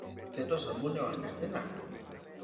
Iketo sabun ewang’ nyathi nang’o?